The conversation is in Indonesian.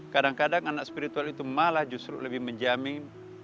kadang kadang anak spiritual itu malah justru lebih menjamin